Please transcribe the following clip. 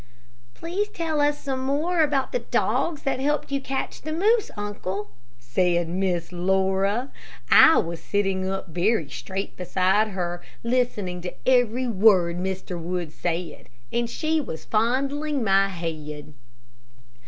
'" "Please tell us some more about the dogs that helped you catch the moose, uncle," said Miss Laura, I was sitting up very straight beside her, listening to every word Mr. Wood said, and she was fondling my head.